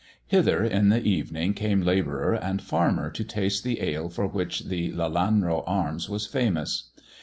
Hither in the evening came labourer and farmer to taste the ale for which the " Lelanro Arms " was famous.